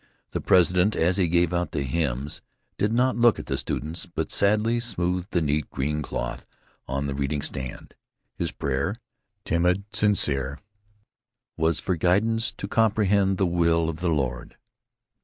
The president, as he gave out the hymns, did not look at the students, but sadly smoothed the neat green cloth on the reading stand. His prayer, timid, sincere, was for guidance to comprehend the will of the Lord.